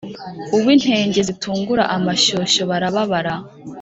uwintege zitungura amashyoshyo barababara